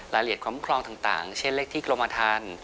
รายละเอียดความคลองต่างเช่นเลขที่กรมฐาน